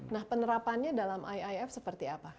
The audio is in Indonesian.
nah penerapannya dalam iif seperti apa